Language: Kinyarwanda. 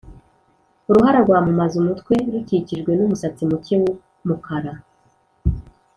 uruhara rwamumaze umutwe rukikijwe n’umusatsi muke w’umukara